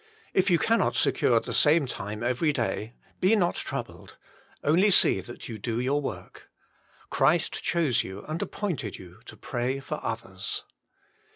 If you cannot secure the same time every day, be not troubled. Only see that you do your work. Christ chose you and appointed you to pray for others.